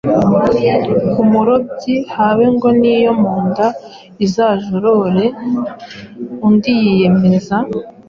Umurobyi habe ngo n’iyo mu nda izajorore! Undi abibonye yiyemeza